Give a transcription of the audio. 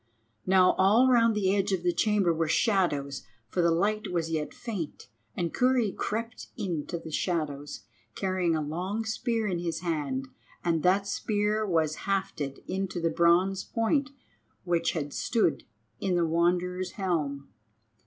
Now all round the edge of the chamber were shadows, for the light was yet faint, and Kurri crept into the shadows, carrying a long spear in his hand, and that spear was hafted into the bronze point which had stood in the Wanderer's helm.